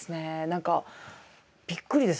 何かびっくりです